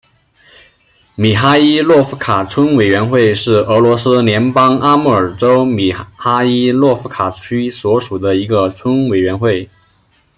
米哈伊洛夫卡村委员会是俄罗斯联邦阿穆尔州米哈伊洛夫卡区所属的一个村委员会。